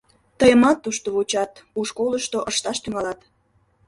Тыйымат тушто вучат, у школышто ышташ тӱҥалат.